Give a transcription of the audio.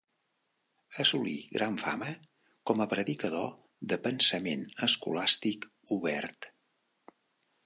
Assolí gran fama com a predicador de pensament escolàstic obert.